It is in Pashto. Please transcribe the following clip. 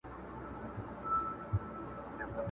د چا له کوره وشړمه سیوری د شیطان!.